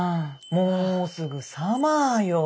もうすぐサマーよ。